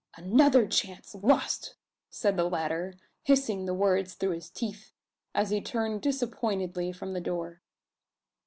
"Another chance lost!" said the latter, hissing the words through his teeth, as he turned disappointedly from the door.